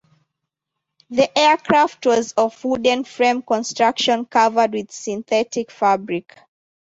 The aircraft was of wooden frame construction covered with synthetic fabric.